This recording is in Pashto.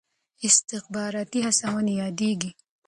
استخباراتي هڅونې یادېږي.